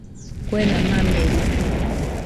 Kuena mamerite.